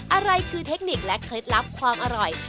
อะไรคือเทคนิคและเคล็ดลับความอร่อย